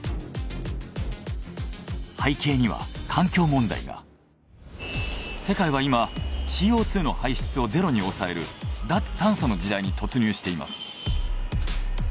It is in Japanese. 背景には世界は今ＣＯ２の排出をゼロに抑える脱炭素の時代に突入しています。